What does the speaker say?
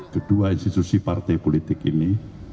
kedua institusi partai politik ini